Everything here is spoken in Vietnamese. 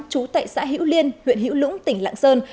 trú tại xã hữu liên huyện hữu lũng tỉnh lạng sơn